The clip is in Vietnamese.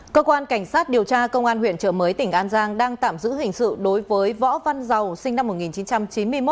cơ quan cảnh sát điều tra công an huyện trợ mới tỉnh an giang đang tạm giữ hình sự đối với võ văn giàu sinh năm một nghìn chín trăm chín mươi một